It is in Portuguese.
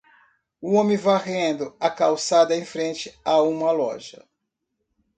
Um homem varrendo a calçada em frente a uma loja.